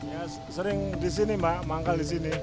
ya sering di sini mbak manggal di sini